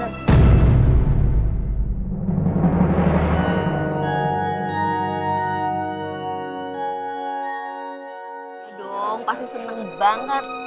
dong pasti seneng banget